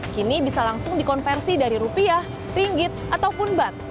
kini bisa langsung dikonversi dari rupiah ringgit ataupun bat